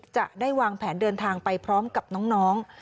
จะได้วางแผนเดินทางไปพร้อมกับน้อง